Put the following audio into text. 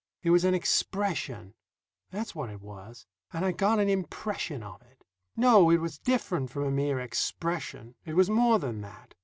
It was an expression, that's what it was, and I got an impression of it. No; it was different from a mere expression; it was more than that.